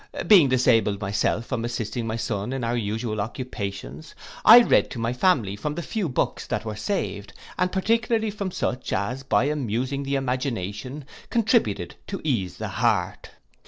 Being disabled myself from assisting my son in our usual occupations, I read to my family from the few books that were saved, and particularly from such, as, by amusing the imagination, contributed to ease the heart.